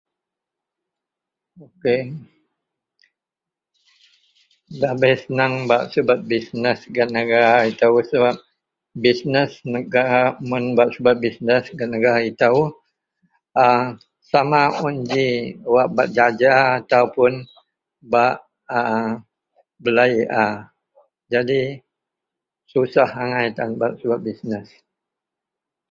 Nda bei seneng bak subet bisnes gak negara ito sebab bisnes mun bak subet bisnes gak negara ito. A semua sama un g bak jaja atau bak belei a Jadi susah angai tan bak subet bisnes.